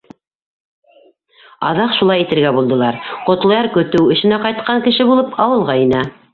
Аҙаҡ шулай итергә булдылар: Ҡотлояр, көтөү эшенә ҡайтҡан кеше булып, ауылға инә.